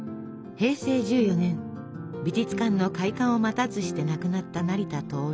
平成１４年美術館の開館を待たずして亡くなった成田亨。